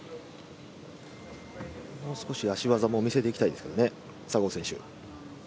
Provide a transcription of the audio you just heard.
もう少し足技も見せていきたいですけどね、佐合選手。